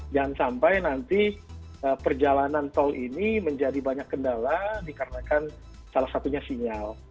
jangan sampai nanti perjalanan tol ini menjadi banyak kendala dikarenakan salah satunya sinyal